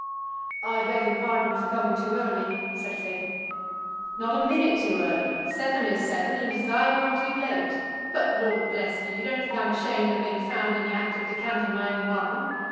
"I beg your pardon for coming too early," said Finn. "Not a minute too early. Seven is seven, and it is I who am too late. But, Lord bless you, you don't think I'm ashamed of being found in the act of decanting my own wine!